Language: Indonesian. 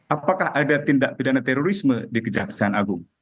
apakah ada tindak pidana terorisme di kejaksaan agung